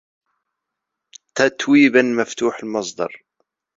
تتويبا مفتوح المصدر.